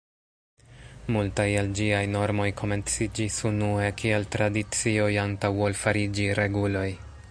Multaj el ĝiaj normoj komenciĝis unue kiel tradicioj antaŭ ol fariĝi reguloj.